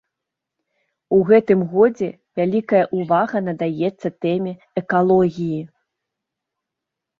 У гэтым годзе вялікая ўвага надаецца тэме экалогіі.